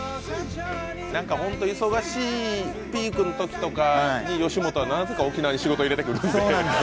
ホント忙しいピークのときとか、吉本はなぜか沖縄に仕事入れてくるんですよね。